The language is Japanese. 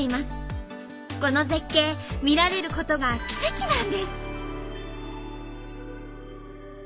この絶景見られることが奇跡なんです。